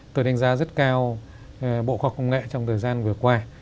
tôi đánh giá rất cao bộ khoa công nghệ trong thời gian vừa qua